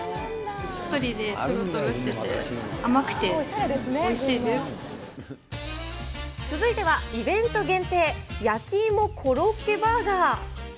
しっとりでとろとろしていて、続いてはイベント限定、焼き芋コロッケバーガー。